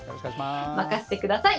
任せてください。